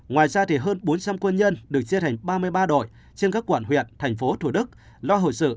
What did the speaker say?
ngoài ra hơn bốn trăm linh quân nhân được chia thành ba mươi ba đội trên các quận huyện thành phố thủ đức lo hồi sự